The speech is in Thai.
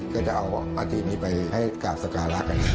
ก็จะเอาอาทิตนี้ไปให้กราบสการะกัน